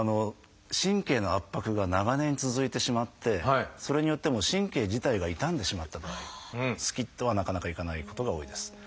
神経の圧迫が長年続いてしまってそれによってもう神経自体が傷んでしまった場合スキッとはなかなかいかないことが多いです。